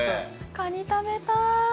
カニ食べたい。